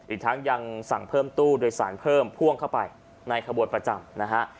อีกทั้งยังสั่งเพิ่มตู้โดยสารเพิ่มพ่วงเข้าไปในขบวนประจำนะฮะ